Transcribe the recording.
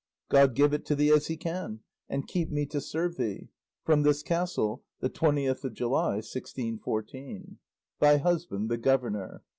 God give it to thee as he can, and keep me to serve thee. From this castle, the 20th of July, 1614. Thy husband, the governor.